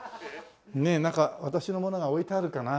ねえなんか私のものが置いてあるかな？